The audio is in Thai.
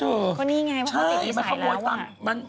ก็นี่ไงเพราะว่าปิดพิสัยแล้ว